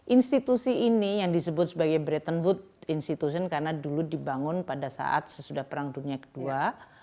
institusi ini yang disebut sebagai bretton food institution karena dulu dibangun pada saat sesudah perang dunia ii